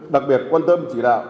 đặc biệt quan tâm chỉ đạo